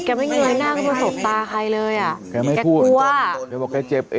แกไม่เงยหน้าก็มาสดตาใครเลยอ่ะแกไม่พูดแกกลัว